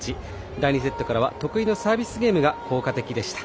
第２セットからは得意のサービスゲームが効果的でした。